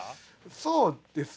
そうですね。